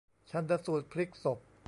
ชันสูตรพลิกศพ